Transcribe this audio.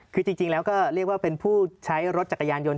คือจริงแล้วก็เรียกว่าเป็นผู้ใช้รถจักรยานยนต